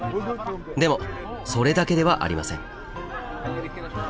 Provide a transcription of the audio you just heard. でもそれだけではありません。